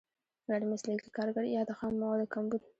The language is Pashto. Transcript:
غیر مسلکي کارګر یا د خامو موادو کمبود.